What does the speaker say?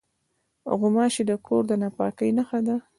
غوماشې د کور د ناپاکۍ نښه دي.